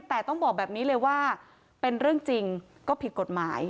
แต่ต้องบอกแบบนี้เลยว่าเป็นเรื่องจริงก็ผิดกฎหมาย